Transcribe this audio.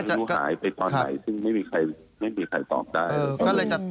แต่แล้วแม้ไม่รู้หายไปตอนไหนซึ่งไม่มีใครตอบได้